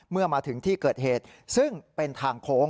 เมื่อมาถึงที่เกิดเหตุซึ่งเป็นทางโค้ง